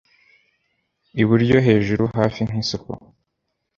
Iburyo hejuru hafi nkisoko